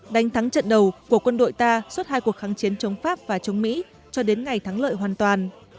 đánh thắng trận đầu của quân đội ta suốt hai cuộc kháng chiến chống pháp và chống mỹ cho đến ngày thắng lợi hoàn toàn